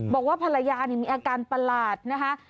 บอกว่าภรรยามีอาการประหลาดนะคะ